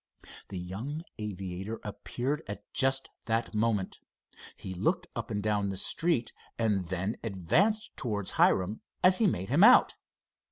The young aviator appeared at just that moment. He looked up and down the street and then advanced towards Hiram as he made him out.